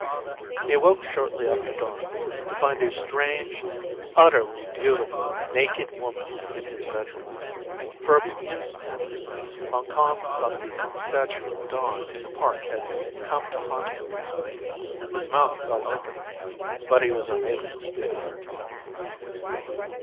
He awoke shortly after dawn to find a strange, utterly beautiful naked woman in his bedroom. For a bemused instant Montcalm thought the statue of Dawn in the park had come to haunt him. His mouth fell open but he was unable to speak.